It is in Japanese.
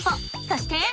そして！